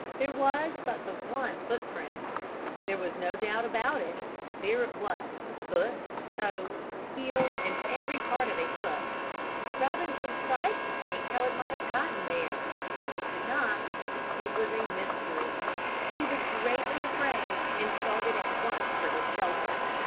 There was but the one footprint. There was no doubt about it, there it was, foot, toes, heel and every part of a foot. Robinson tried to think how it might have gotten there, but he could not. It was a mystery. He was greatly afraid and started at once for his shelter.